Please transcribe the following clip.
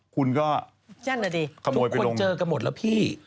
คุณก็ขโมยไปลงทุกคนเจอกันหมดแล้วพี่